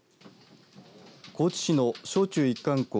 高知市の小中一貫校